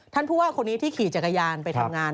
ท่านผู้ว่าคนนี้ที่ขี่จักรยานไปทำงาน